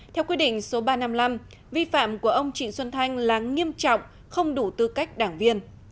theo quy định số ba trăm năm mươi năm vi phạm của ông trịnh xuân thanh là nghiêm trọng không đủ tư cách đảng viên